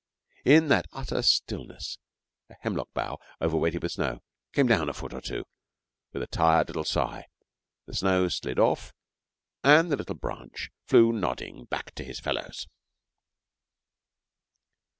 In that utter stillness a hemlock bough, overweighted with snow, came down a foot or two with a tired little sigh; the snow slid off and the little branch flew nodding back to its fellows.